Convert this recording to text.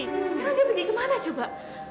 sekarang dia pergi ke mana coba